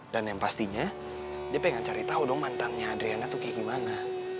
dan yang pastinya dia pengen cari tau dong mantannya adriana tuh kayak gimana